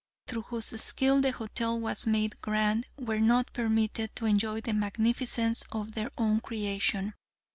through whose skill the hotel was made grand, were not permitted to enjoy the magnificence of their own creation.